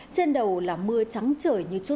trên đầu là mưa trắng trời như tháng